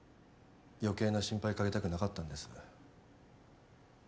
余計な心配かけたくなかったんです。